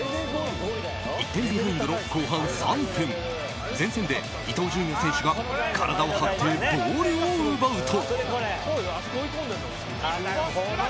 １点ビハインドの後半３分前線で伊東純也選手が体を張ってボールを奪うと。